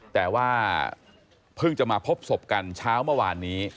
แต่ว่าเพิ่งจะมาพบศพกันเช้าเมื่อวานนี้